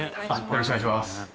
よろしくお願いします。